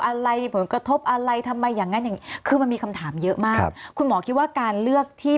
อะไรเหมือนกระทบอะไรทำไมอย่างนั้นคือมันมีคำถามเยอะมากคุณหมอคิดว่าการเลือกที่